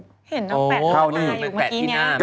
เห็นน้องแปะรถเมฆอยู่เมื่อกี้